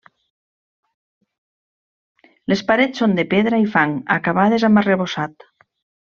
Les parets són de pedra i fang, acabades amb arrebossat.